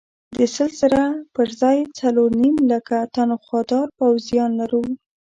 د سل زره پر ځای څلور نیم لکه تنخوادار پوځیان لرو.